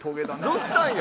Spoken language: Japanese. どうしたんや？